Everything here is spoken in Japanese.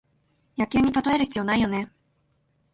野球にたとえる必要ないよね